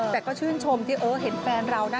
แต่ก็ชื่นชมที่เห็นแฟนเรานะ